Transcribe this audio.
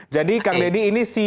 jadi kang dedy ini